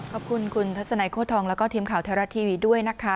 ขอบคุณคุณทัศนัยโค้ทองแล้วก็ทีมข่าวไทยรัฐทีวีด้วยนะคะ